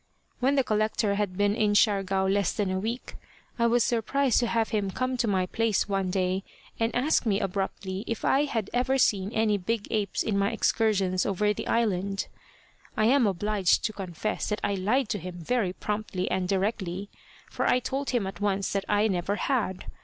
When the collector had been in Siargao less than a week, I was surprised to have him come to my place one day and ask me abruptly if I had ever seen any big apes in my excursions over the island. I am obliged to confess that I lied to him very promptly and directly, for I told him at once that I never had.